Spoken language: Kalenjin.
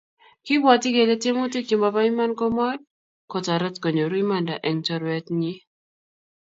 kiibwoti kele tyemutik che mobo iman komoi kotorit konyoru imanda eng' chorwetnyin.